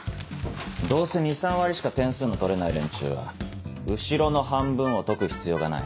どうせ２３割しか点数の取れない連中は後ろの半分を解く必要がない。